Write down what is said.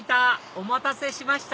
お待たせしました